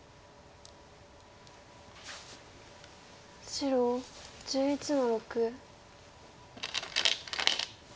白１１の六。